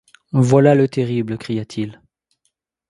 Voilà le terrible! cria-t-il.